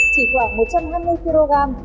chỉ khoảng một trăm hai mươi kg